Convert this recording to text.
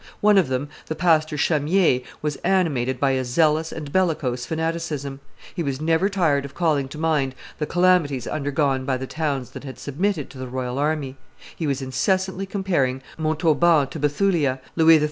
One of them, the pastor Chamier, was animated by a zealous and bellicose fanaticism; he was never tired of calling to mind the calamities undergone by the towns that had submitted to the royal army; he was incessantly comparing Montauban to Bethulia, Louis XIII.